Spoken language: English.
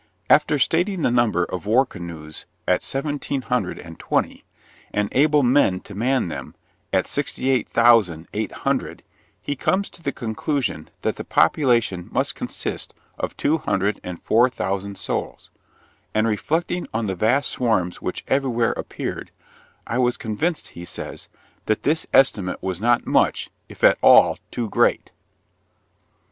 After stating the number of war canoes at seventeen hundred and twenty, and able men to man them, at sixty eight thousand eight hundred, he comes to the conclusion that the population must consist of two hundred and four thousand souls; and reflecting on the vast swarms which everywhere appeared, 'I was convinced,' he says, 'that this estimate was not much, if at all, too great.'